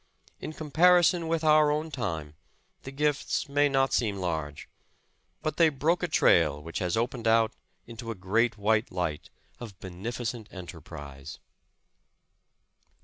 In comparison with our own time, the gifts may not seem large, but they broke a trail which has opened out into a great white light of beneficent enterprise.